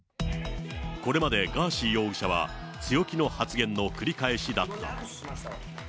これまでガーシー容疑者は強気の発言の繰り返しだった。